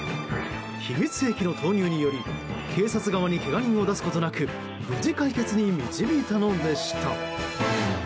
秘密兵器の投入により警察側にけが人を出すことなく無事、解決に導いたのでした。